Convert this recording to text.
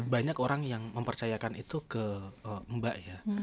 banyak orang yang mempercayakan itu ke mbak ya